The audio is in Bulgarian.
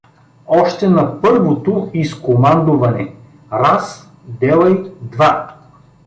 Още на първото изкомандуване: „раз, делай два!